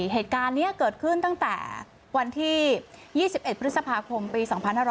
เหตุการณ์นี้เกิดขึ้นตั้งแต่วันที่๒๑พฤษภาคมปี๒๕๖๐